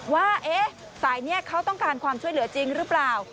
ว่าสายนี้เขาต้องการความช่วยเหลือจริงหรือเปล่า